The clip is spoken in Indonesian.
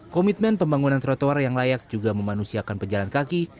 komitmen pembangunan trotoar yang layak juga memanusiakan pejalan kaki